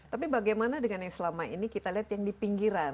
tapi bagaimana dengan yang selama ini kita lihat yang di pinggiran